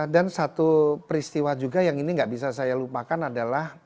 dan satu peristiwa juga yang ini tidak bisa saya lupakan adalah